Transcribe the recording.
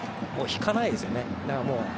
引かないですよね